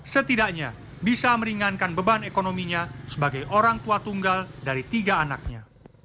setidaknya bisa meringankan beban ekonominya sebagai orang tua tunggal dari tiga anaknya